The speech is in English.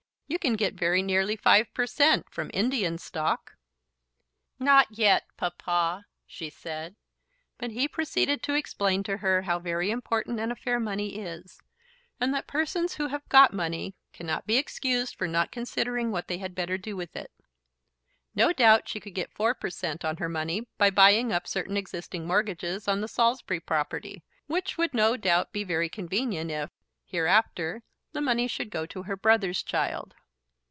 You can get very nearly 5 per cent. from Indian Stock." "Not yet, Papa," she said. But he proceeded to explain to her how very important an affair money is, and that persons who have got money cannot be excused for not considering what they had better do with it. No doubt she could get 4 per cent. on her money by buying up certain existing mortgages on the Saulsby property, which would no doubt be very convenient if, hereafter, the money should go to her brother's child.